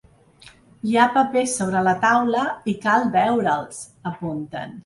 Hi ha papers sobre la taula i cal veure’ls, apunten.